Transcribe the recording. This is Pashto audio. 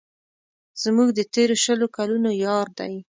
زموږ د تېرو شلو کلونو یار دی.